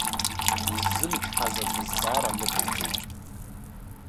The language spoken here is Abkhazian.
Иззымычҳаз аӡә азҵаара ныҟаиҵеит.